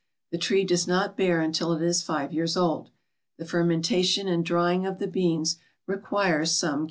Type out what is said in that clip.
The tree does not bear until it is five years old. The fermentation and drying of the beans require some care.